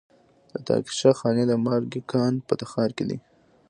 د طاقچه خانې د مالګې کان په تخار کې دی.